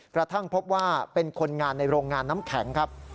กระทั่งพบว่าเป็นคนงานในโรงงานน้ำแข็งครับ